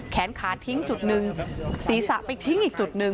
แขนขาทิ้งจุดหนึ่งศีรษะไปทิ้งอีกจุดหนึ่ง